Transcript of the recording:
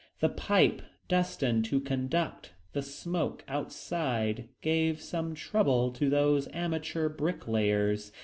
The pipe destined to conduct the smoke outside gave some trouble to these amateur bricklayers.